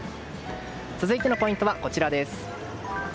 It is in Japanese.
続いてのポイントはこちらです。